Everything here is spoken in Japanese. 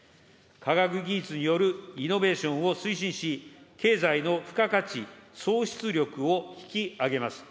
科学技術によるイノベーションを推進し、経済の付加価値、創出力を引き上げます。